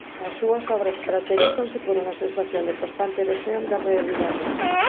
As súas obras caracterízanse por unha sensación de constante erosión da realidade.